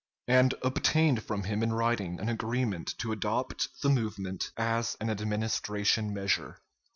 ] and obtained from him in writing an agreement to adopt the movement as an Administration measure.